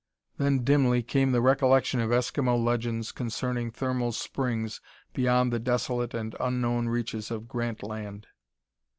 Then dimly came the recollection of Eskimo legends concerning thermal springs beyond the desolate and unknown reaches of Grant Land.